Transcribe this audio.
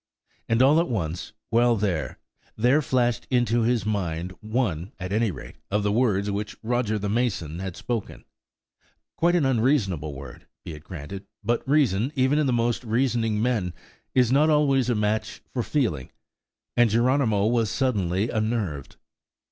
And all at once, while there, there flashed into his mind one, at any rate, of the words which Roger the mason had spoken–quite an unreasonable word, be it granted, but reason, even in the most reasoning men, is not always a match for feeling, and Geronimo was suddenly unnerved.